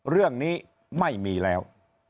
เรื่องนี้ไม่มีแล้ว